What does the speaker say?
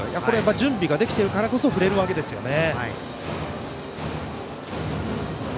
準備ができているからこそ振れるわけですよね。